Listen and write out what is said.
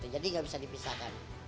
jadi tidak bisa dipisahkan